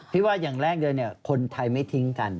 ว่าอย่างแรกเลยคนไทยไม่ทิ้งกัน